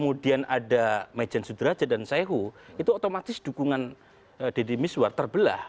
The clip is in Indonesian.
majen sudrajat dan syaihu itu otomatis dukungan deddy miswar terbelah